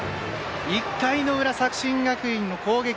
１回の裏、作新学院の攻撃。